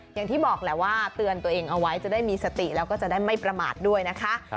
อย่างที่บอกแหละว่าเตือนตัวเองเอาไว้จะได้มีสติแล้วก็จะได้ไม่ประมาทด้วยนะคะ